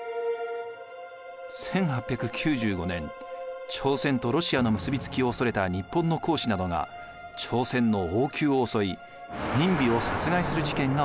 １８９５年朝鮮とロシアの結びつきを恐れた日本の公使などが朝鮮の王宮を襲い閔妃を殺害する事件が起こります。